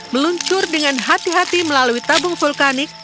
meluncur dengan hati hati melalui tabung vulkanik